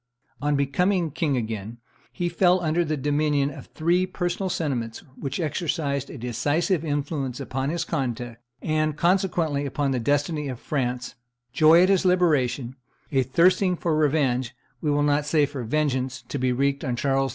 On becoming king again, he fell under the dominion of three personal sentiments, which exercised a decisive influence upon his conduct, and, consequently, upon the destiny of France joy at his liberation, a thirsting for revenge, we will not say for vengeance, to be wreaked on Charles V.